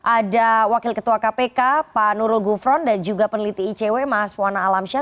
ada wakil ketua kpk pak nurul gufron dan juga peneliti icw mas wana alamsyah